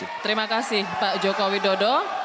baik terima kasih pak joko widodo